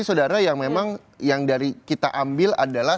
saudara yang memang yang dari kita ambil adalah